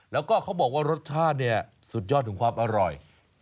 แล้วก็เขาบอกว่ารสชาติเนี่ยสุดยอดถึงความอร่อย